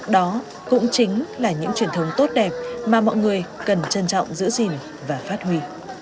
đó cũng chính là những truyền thống tốt đẹp mà mọi người cần trân trọng giữ gìn và phát huy